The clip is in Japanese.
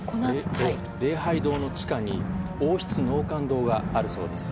礼拝堂の地下に王室納棺堂があるそうです。